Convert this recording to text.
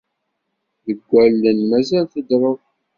Deg wulawen mazal teddreḍ.